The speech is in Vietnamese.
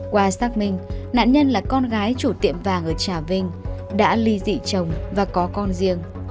qua xác minh nạn nhân là con gái chủ tiệm vàng ở trà vinh đã ly dị chồng và có con riêng